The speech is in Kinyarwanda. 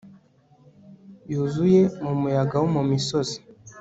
yuzuye mu muyaga wo mu misozi